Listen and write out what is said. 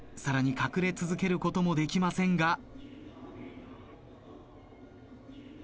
さらに隠れ続けることもできませんが。